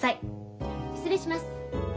失礼します。